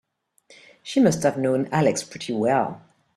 She must have known Alex pretty well.